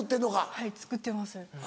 はい作ってます。